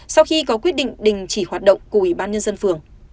sau khi có quyết định đình chỉ hoạt động của ubnd phường